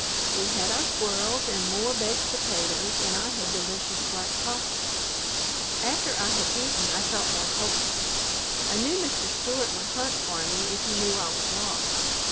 We had our squirrels and more baked potatoes and I had delicious black coffee. After I had eaten I felt more hopeful. I knew Mr. Stewart would hunt for me if he knew I was lost.